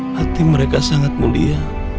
hati mereka sangat mulia